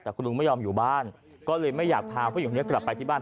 แต่ของลุงไม่จำคือบ้านก็เลยไม่งากพาผู้หญิงเกี่ยวกันไปที่บ้าน